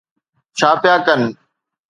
ڇا پيا ڪن؟